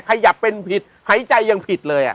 ขยับเป็นผิดหายใจยังผิดเลย